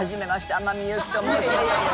天海祐希と申します」。